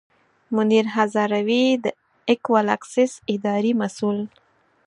منیر هزاروي د اکول اکسیس اداري مسوول.